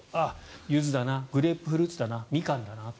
ユズだなグレープフルーツだなミカンだな。